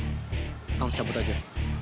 kita harus cabut aja